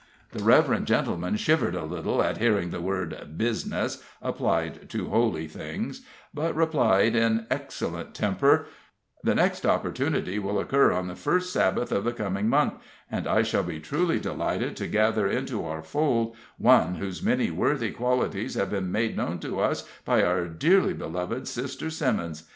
The reverend gentleman shivered a little at hearing the word "business" applied to holy things, but replied, in excellent temper: "The next opportunity will occur on the first Sabbath of the coming month, and I shall be truly delighted to gather into our fold one whose many worthy qualities have been made known to us by our dearly beloved sister Simmons.